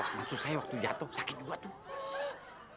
amak kulit saya waktu jatuh sakit jg tuh